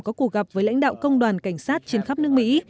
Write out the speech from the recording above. có cuộc gặp với lãnh đạo công đoàn cảnh sát trên khắp nước mỹ